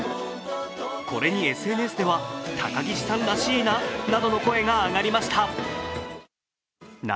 これにＳＮＳでは高岸さんらしいななどの声が上がりました。